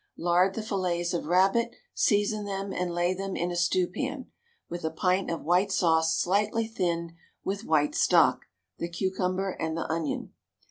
Lard the fillets of rabbit, season them, and lay them in a stewpan, with a pint of white sauce slightly thinned with white stock, the cucumber, and the onion.